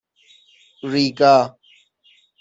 ریگا